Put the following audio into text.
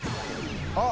あっ